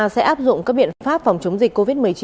sẽ áp dụng các biện pháp phòng chống dịch covid một mươi chín